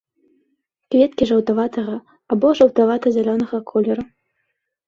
Кветкі жаўтаватага або жаўтавата-зялёнага колеру.